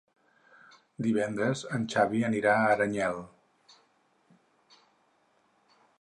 Divendres en Xavi anirà a Aranyel.